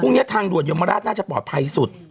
พรุ่งนี้ทางดวดยมราชน่าจะปลอดภัยสุด